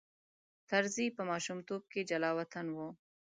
طرزی په ماشومتوب کې جلاوطن و.